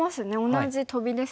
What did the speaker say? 同じトビですね。